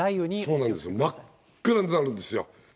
そうなんですよ、真っ暗になるんですよ。